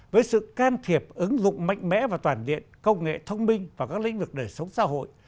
với sự can thiệp ứng dụng mạnh mẽ và toàn diện công nghệ thông minh vào các lĩnh vực đời sống xã hội